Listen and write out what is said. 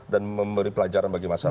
dan memberi pelajaran bagi masyarakat